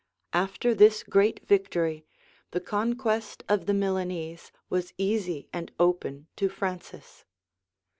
[] After this great victory, the conquest of the Milanese was easy and open to Francis.